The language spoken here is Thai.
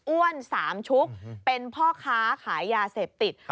สามชุกเป็นพ่อค้าขายยาเสพติด